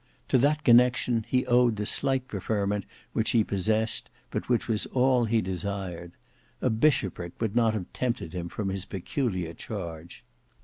To that connection he owed the slight preferment which he possessed, but which was all he desired. A bishopric would not have tempted him from his peculiar charge.